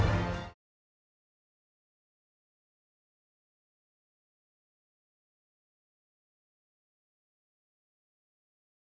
aku mau ke rumah